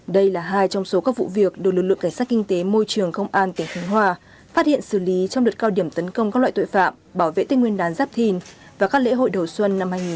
đây là hai trong số các vụ việc được lực lượng cảnh sát kinh tế môi trường công an tỉnh khánh hòa phát hiện xử lý trong đợt cao điểm tấn công các loại tội phạm bảo vệ tên nguyên đán giáp thìn và các lễ hội đầu xuân năm hai nghìn hai mươi bốn